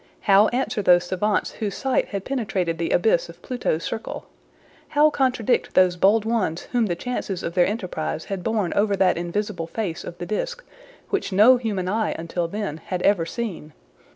How answer those savants whose sight had penetrated the abyss of Pluto's circle? How contradict those bold ones whom the chances of their enterprise had borne over that invisible face of the disc, which no human eye until then had ever seen?